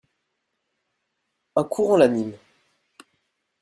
Un courant l'anime.